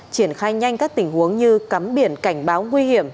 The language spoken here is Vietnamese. triển khai nhanh các tình huống như cắm biển cảnh báo nguy hiểm